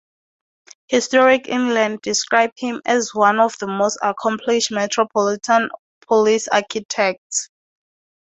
Historic England describe him as "one of the most accomplished Metropolitan Police architects".